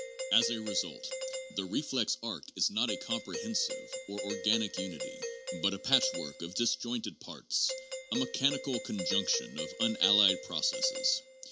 As a result, the reflex arc is not a comprehensive, or organic unity, but a patch work of disjointed parts, a mechanical conjunction of unallied processes.